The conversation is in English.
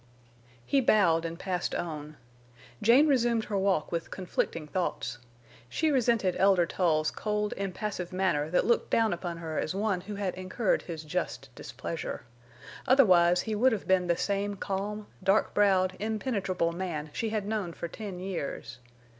He bowed and passed on. Jane resumed her walk with conflicting thoughts. She resented Elder Tull's cold, impassive manner that looked down upon her as one who had incurred his just displeasure. Otherwise he would have been the same calm, dark browed, impenetrable man she had known for ten years.